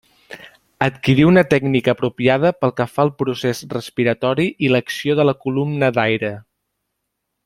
Adquirir una tècnica apropiada pel que fa al procés respiratori i l'acció de la columna d'aire.